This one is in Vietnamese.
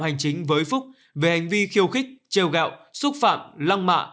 hành chính với phúc về hành vi khiêu khích treo gạo xúc phạm lăng mạ